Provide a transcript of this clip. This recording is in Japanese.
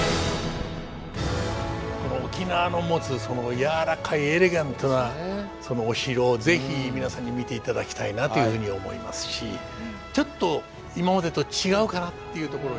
この沖縄の持つ柔らかいエレガントなお城を是非皆さんに見て頂きたいなというふうに思いますしちょっと今までと違うかなっていうところに焦点を。